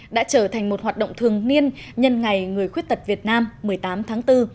đã trở thành một hoạt động thường niên nhân ngày người khuyết tật việt nam một mươi tám tháng bốn